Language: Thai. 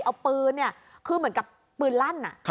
เอาปืนเนี่ยคือเหมือนกับปืนลั่น